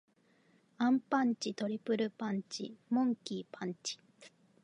アンパンチ。トリプルパンチ。モンキー・パンチ。